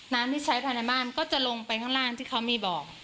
น้ำที่ใช้ภายในบ้านก็จะลงไปข้างล่างที่เขามีบ่อ